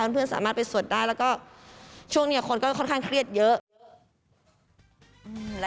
เพื่อนสามารถไปสวดได้แล้วก็ช่วงนี้คนก็ค่อนข้างเครียดเยอะ